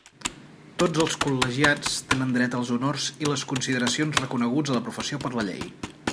Tots els col·legiats tenen dret als honors i les consideracions reconeguts a la professió per la llei.